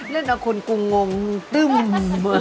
เล่นกับคนกุงงตึ้ม